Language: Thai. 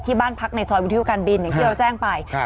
บ้านพักในซอยวิทยุการบินอย่างที่เราแจ้งไป